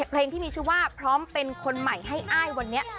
เพลงที่มีชื่อว่าพร้อมเป็นคนใหม่ให้อ้ายวันนี้